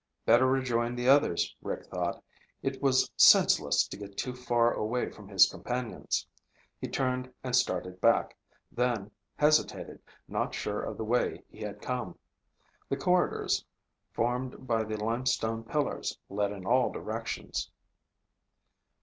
Better rejoin the others, Rick thought. It was senseless to get too far away from his companions. He turned and started back, then hesitated, not sure of the way he had come. The corridors formed by the limestone pillars led in all directions.